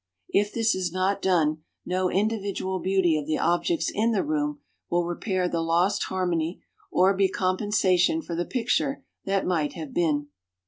If this is not done, no individual beauty of the objects in the room will repair the lost harmony or be compensation for the picture that might have been.